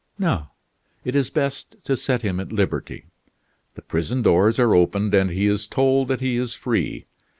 No; it is best to set him at liberty. The prison doors are opened, and he is told that he is free.